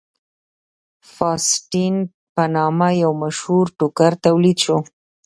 فاسټین په نامه یو مشهور ټوکر تولید شو.